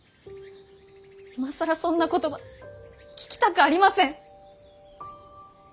今更そんな言葉聞きたくありません。